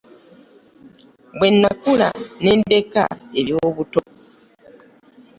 Bwe nnakula ne ndeka eby'obuto.